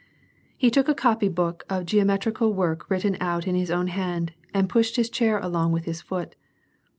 He took a copy book of geometrical work written out in his own hand, and pushed his chair along with his foot.